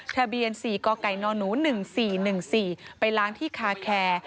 ทะเบียน๔กกนหนู๑๔๑๔ไปล้างที่คาแคร์